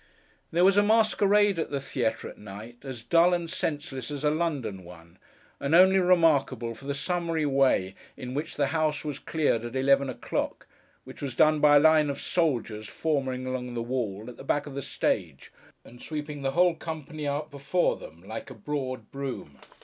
There was a masquerade at the theatre at night, as dull and senseless as a London one, and only remarkable for the summary way in which the house was cleared at eleven o'clock: which was done by a line of soldiers forming along the wall, at the back of the stage, and sweeping the whole company out before them, like a broad broom.